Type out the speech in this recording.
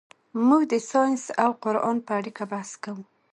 موږ د ساینس او قرآن په اړیکه بحث کوو.